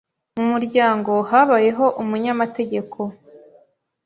Mu muryango habayeho umunyamategeko.